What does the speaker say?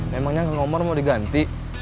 memangnya kang komar mau diganti